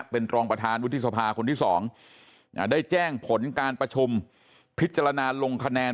เป็นรองประธานวุฒิสภาคนที่๒ได้แจ้งผลการประชุมพิจารณาลงคะแนน